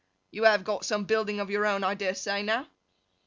You have got some building of your own I dare say, now?